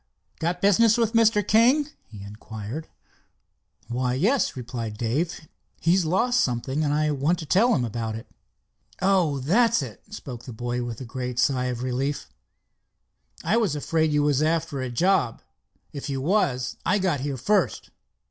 "Got business with Mr. King?" he inquired. "Why, yes," replied Dave. "He lost something, and I want to tell him about it." "Oh, that's it," spoke the boy with a great sigh of relief. "I was afraid you was after a job. If you was, I got here first."